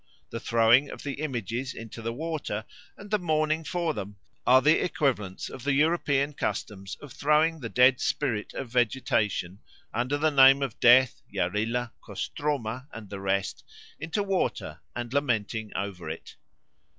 The throwing of the images into the water, and the mourning for them, are the equivalents of the European customs of throwing the dead spirit of vegetation under the name of Death, Yarilo, Kostroma, and the rest, into the water and lamenting over it.